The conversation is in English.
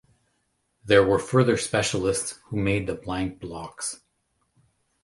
There were further specialists who made the blank blocks.